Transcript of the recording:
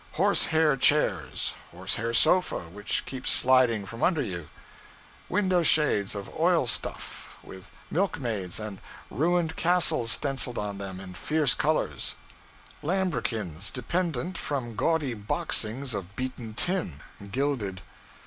Horse hair chairs, horse hair sofa which keeps sliding from under you. Window shades, of oil stuff, with milk maids and ruined castles stenciled on them in fierce colors. Lambrequins dependent from gaudy boxings of beaten tin, gilded.